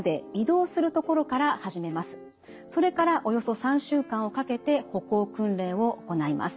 それからおよそ３週間をかけて歩行訓練を行います。